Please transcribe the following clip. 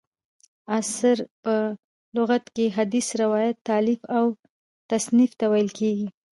اثر: په لغت کښي حدیث، روایت، تالیف او تصنیف ته ویل کیږي.